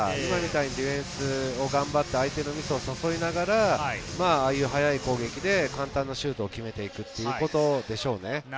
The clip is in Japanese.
ディフェンスを頑張って相手のミスを誘いながら、ああいう速い攻撃で簡単なシュートを決めていくということでしょうね。